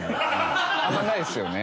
あんまないですよね。